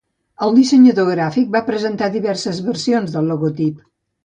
El dissenyador gràfic va presentar diverses versions del logotip.